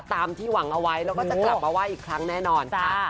ตามที่หวังเอาไว้แล้วก็จะกลับมาไหว้อีกครั้งแน่นอนค่ะ